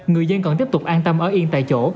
người dân còn tiếp tục an tâm ở yên tại chỗ